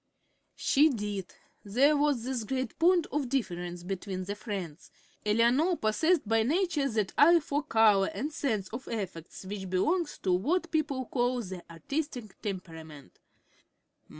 She did. There was this great point of difference between the friends. Eleanor possessed by nature that eye for color and sense of effects which belongs to what people call the "artistic" temperament.